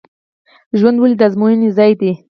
ژوند ولې د ازموینې ځای دی؟